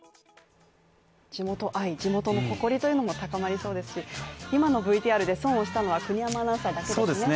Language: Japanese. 地元愛、地元の誇りも高まりそうですし今のＶＴＲで損をしたのは国山アナウンサーだけですね。